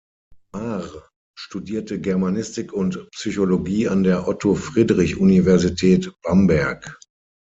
Maar studierte Germanistik und Psychologie an der Otto-Friedrich-Universität Bamberg.